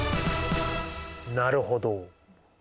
なるほど。